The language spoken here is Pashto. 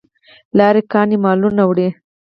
لاری ګانې مالونه وړي.